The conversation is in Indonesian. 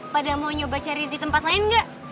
pada mau nyoba cari di tempat lain nggak